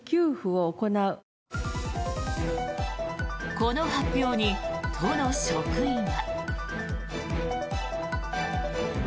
この発表に都の職員は。